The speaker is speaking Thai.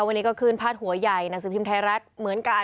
วันนี้ก็ขึ้นพาดหัวใหญ่หนังสือพิมพ์ไทยรัฐเหมือนกัน